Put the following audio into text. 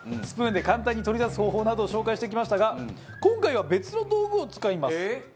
スプーンで簡単に取り出す方法などを紹介してきましたが今回は別の道具を使います。